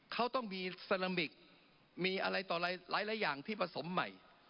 เขาต้องมีเซรามิกมีอะไรต่อหลายอย่างที่ผสมใหม่